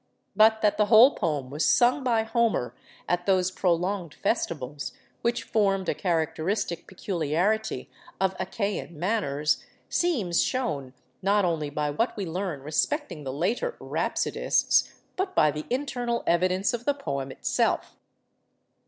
But that the whole poem was sung by Homer at those prolonged festivals which formed a characteristic peculiarity of Achaian manners seems shown, not only by what we learn respecting the later 'rhapsodists,' but by the internal evidence of the poem itself.